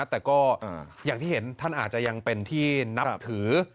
แต่ก็อย่างที่เห็นท่านอาจจะยังเป็นที่นับถือ